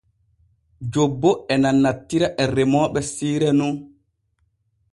Jobbo e nanantira e remooɓe siire nun.